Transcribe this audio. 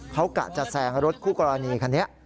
เขากะจะแซงรถคู่กรณีคันนี้